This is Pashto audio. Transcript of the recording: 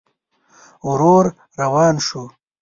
ورو روان شو.